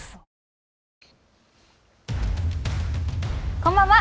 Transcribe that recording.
こんばんは。